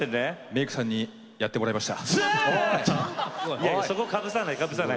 メークさんにやってもらいました。